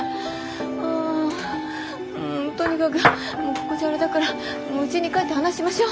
はぁとにかくここじゃあれだからうちに帰って話しましょう。